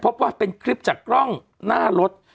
พบว่าเป็นคลิปจากกล้องหน้ารถ